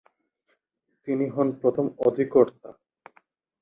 তিনি হন প্রথম অধিকর্তা।